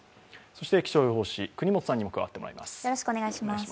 そして気象予報士・國本さんにも加わってもらいます。